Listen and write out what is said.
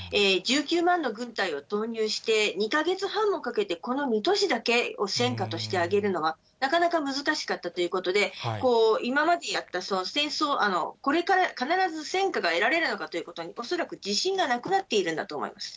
１９万の軍隊を投入して、２か月半もかけて、この２都市だけを戦果として挙げるのは、なかなか難しかったということで、今までやった、戦争、これから必ず戦果が得られるのかということに、恐らく自信がなくなっているんだと思います。